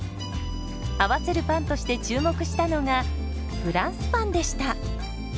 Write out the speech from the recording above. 合わせるパンとして注目したのがフランスパンでした。